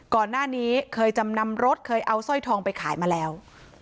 ก่อนหน้านี้เคยจำนำรถเคยเอาสร้อยทองไปขายมาแล้ว